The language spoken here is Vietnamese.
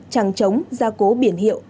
tràng trống gia cố biển hiệu